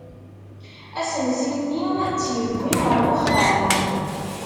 Asensi-nni tt-yewwin ɣer uxxam.